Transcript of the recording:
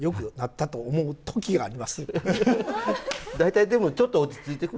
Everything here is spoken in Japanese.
大体でもちょっと落ち着いてくる。